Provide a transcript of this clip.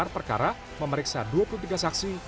perkara memeriksa dua puluh tiga saksi